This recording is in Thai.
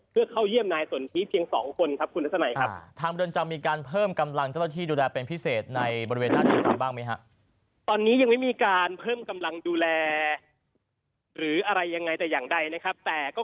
เพื่อเข้าเยี่ยมนายสนทิเพียง๒คนครับคุณทัศนัยครับ